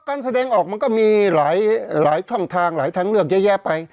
ก็การแสดงออกมันก็มีหลายหลายท่องทางหลายทั้งเรื่องแย่แย่ไป